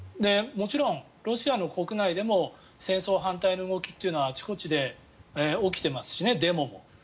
もちろんロシアの国内でも戦争反対の動きというのはあちこちで起きてますしデモも。